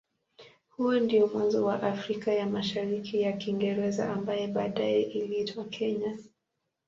Huo ndio mwanzo wa Afrika ya Mashariki ya Kiingereza ambaye baadaye iliitwa Kenya.